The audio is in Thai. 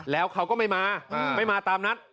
แล้วเขาก็ไม่มาไม่มาตามนัด